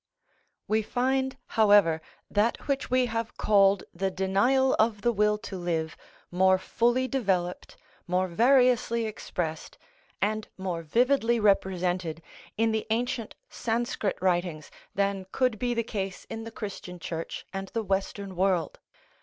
We find, however, that which we have called the denial of the will to live more fully developed, more variously expressed, and more vividly represented in the ancient Sanscrit writings than could be the case in the Christian Church and the Western world.